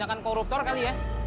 bahkan koruptor kali ya